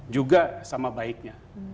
juga sama baiknya